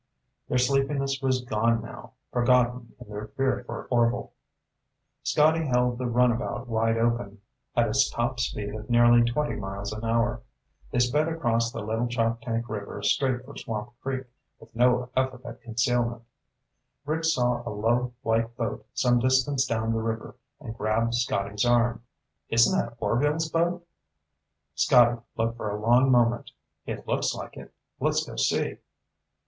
Their sleepiness was gone now, forgotten in their fear for Orvil. Scotty held the runabout wide open, at its top speed of nearly twenty miles an hour. They sped across the Little Choptank River straight for Swamp Creek, with no effort at concealment. Rick saw a low, white boat some distance down the river and grabbed Scotty's arm. "Isn't that Orvil's boat?" Scotty looked for a long moment. "It looks like it. Let's go see."